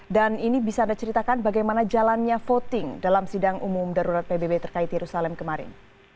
ini bisa anda ceritakan bagaimana jalannya voting dalam sidang umum darurat pbb terkait yerusalem kemarin